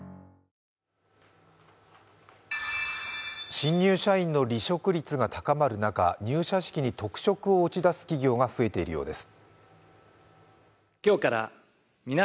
新入社員の離職率が高まる中、入社式に特色を打ち出す企業が増えているようです。